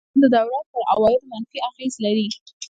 دا چاره د دولت پر عوایدو منفي اغېز لري.